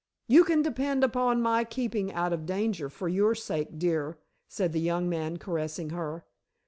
"You can depend upon my keeping out of danger, for your sake, dear," said the young man, caressing her.